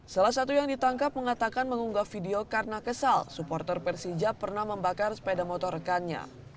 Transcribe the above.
salah satu yang ditangkap mengatakan mengunggah video karena kesal supporter persija pernah membakar sepeda motor rekannya